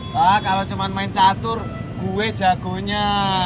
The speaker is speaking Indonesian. wah kalau cuma main catur gue jagonya